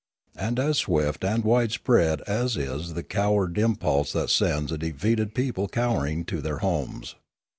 And as swift and widespread is the coward impulse that sends a defeated people cowering to their homes.